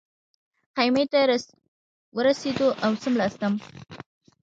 خیمې ته ورسېدو او څملاستم.